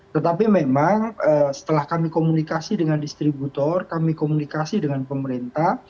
tetapi memang setelah kami komunikasi dengan distributor kami komunikasi dengan pemerintah